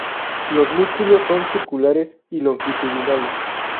Los músculos son circulares y longitudinales.